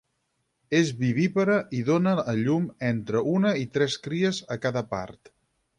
És vivípara i dóna a llum entre una i tres cries a cada part.